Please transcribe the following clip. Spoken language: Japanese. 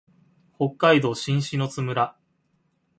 北海道新篠津村